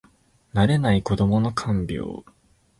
慣れない子どもの看病